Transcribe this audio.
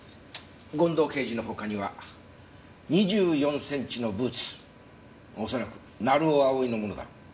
権藤刑事の他には２４センチのブーツ恐らく成尾蒼のものだろう。